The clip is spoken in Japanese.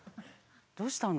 どうしたの？